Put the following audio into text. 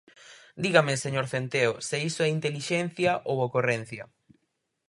Dígame, señor Centeo, se iso é intelixencia ou ocorrencia.